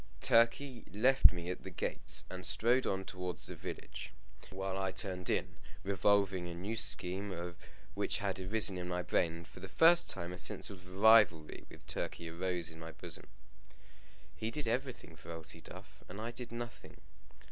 Turkey left me at the gate and strode on towards the village; while I turned in, revolving a new scheme which had arisen in my brain, and for the first time a sense of rivalry with Turkey awoke in my bosom. He did everything for Elsie Duff, and I did nothing.